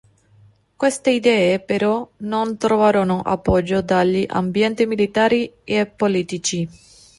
Queste idee però non trovarono appoggio dagli ambienti militari e politici.